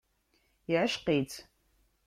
Iεceq-itt.